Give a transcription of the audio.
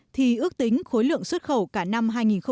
thì ước tính khối lượng xuất khẩu cả năm hai nghìn một mươi sáu